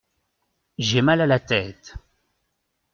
J’ai mal à la tête.